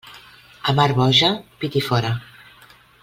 A mar boja, pit i fora.